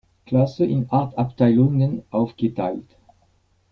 Klasse in acht Abteilungen aufgeteilt.